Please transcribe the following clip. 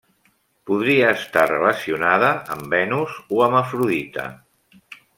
Podria estar relacionada amb Venus o amb Afrodita.